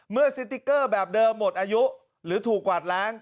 สติ๊กเกอร์แบบเดิมหมดอายุหรือถูกกวาดล้าง